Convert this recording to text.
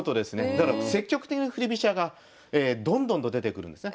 だから積極的な振り飛車がどんどんと出てくるんですね。